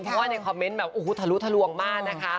เพราะว่าในคอมเมนต์แบบโอ้โหทะลุทะลวงมากนะคะ